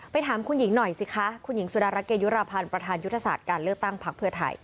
ถามคุณหญิงหน่อยสิคะคุณหญิงสุดารัฐเกยุราพันธ์ประธานยุทธศาสตร์การเลือกตั้งพักเพื่อไทย